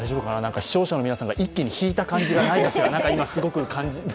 視聴者の皆さんが一気に引いた感じがないかしら。